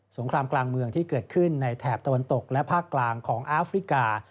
งครามกลางเมืองที่เกิดขึ้นในแถบตะวันตกและภาคกลางของอาฟริกา